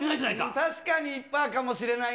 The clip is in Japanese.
確かに１パーかもしれないね。